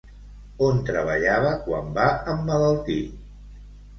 On treballava quan va emmalaltir?